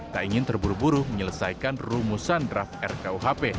tak ingin terburu buru menyelesaikan rumusan draft rkuhp